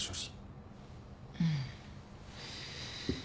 うん。